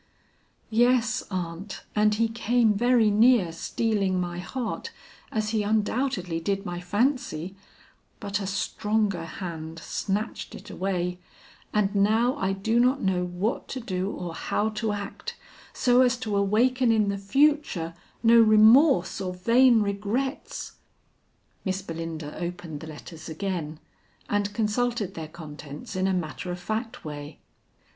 "Yes, aunt, and he came very near stealing my heart as he undoubtedly did my fancy, but a stronger hand snatched it away, and now I do not know what to do or how to act, so as to awaken in the future no remorse or vain regrets." Miss Belinda opened the letters again and consulted their contents in a matter of fact way.